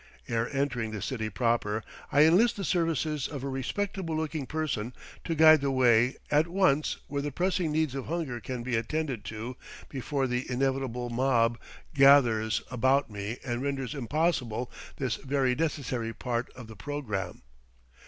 Ere entering the city proper, I enlist the services of a respectable looking person to guide the way at once where the pressing needs of hunger can be attended to before the inevitable mob gathers about me and renders impossible this very necessary part of the programme.